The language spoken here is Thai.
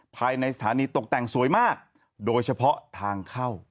ภายในสถานีตกแต่งสวยมากโดยเฉพาะทางเข้า